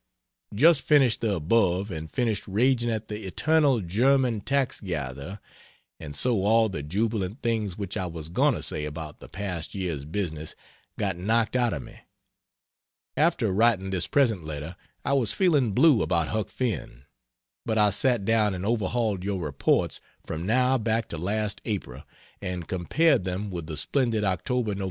Just finished the above and finished raging at the eternal German tax gatherer, and so all the jubilant things which I was going to say about the past year's business got knocked out of me. After writing this present letter I was feeling blue about Huck Finn, but I sat down and overhauled your reports from now back to last April and compared them with the splendid Oct. Nov.